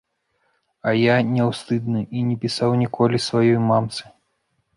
— А я, няўстыдны, і не пісаў ніколі сваёй мамцы.